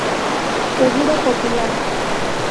Seguro Popular.